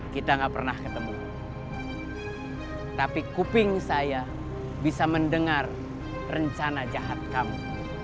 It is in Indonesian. kita nggak pernah ketemu tapi kuping saya bisa mendengar rencana jahat kamu